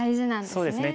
そうですね。